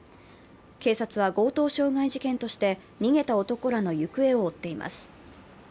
警察は強盗傷害事件として逃げた男らの行方を追っています。